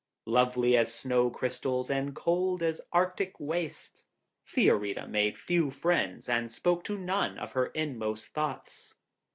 Lovely as snow crystals, and cold as the arctic wastes, Fiorita made few friends, and spoke to none of her inmost thoughts.